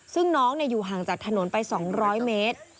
ซึ่งน้องอยู่ห่างจากถนนไป๒๐๐เมตร